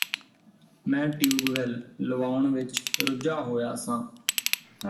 ਮੈਂ ਟਿਊਬਵੈੱਲ ਲਵਾਉਣ ਵਿੱਚ ਰੁੱਝਾ ਹੋਇਆ ਸਾਂ